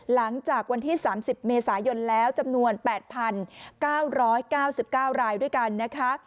หลังจากวันที่๓๐เมษายนแล้วจำนวน๘๙๙๙รายด้วยกันนะคะ